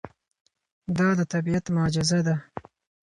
دا د طبیعت معجزه ده.